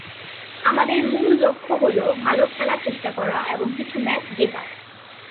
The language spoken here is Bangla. আমাদের মূল লক্ষ্য হলো ভালো খেলার চেষ্টা করা এবং কিছু ম্যাচ জেতা।